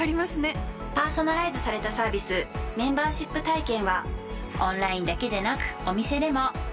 パーソナライズされたサービスメンバーシップ体験はオンラインだけでなくお店でも。